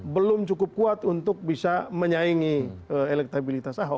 belum cukup kuat untuk bisa menyaingi